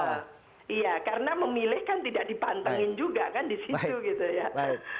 iya karena memilih kan tidak dipantengin juga kan di situ gitu ya